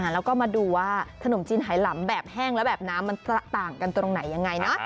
แล้วก็มาดูว่าขนมจีนไหลำแบบแห้งและแบบน้ำมันจะต่างกันตรงไหนยังไง